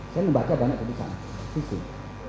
saya membaca banyak kebisikannya visum